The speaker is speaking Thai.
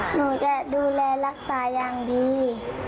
หนูจะดูแลรักษาอย่างดี